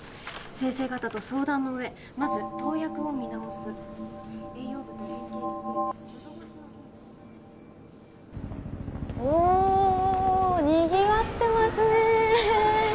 先生方と相談の上まず投薬を見直す栄養部と連携してのどごしのいいおおにぎわってますね